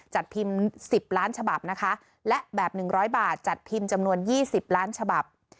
จัดพิมพ์สิบล้านฉบับนะคะและแบบหนึ่งร้อยบาทจัดพิมพ์จำนวนยี่สิบล้านฉบับ